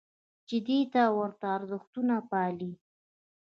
چې دې ته ورته ارزښتونه پالي.